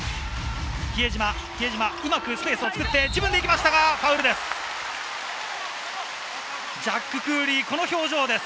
比江島、うまくスペースを作って自分で行きましたがファウルです。